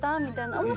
みたいな。